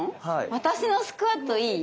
私のスクワットいい？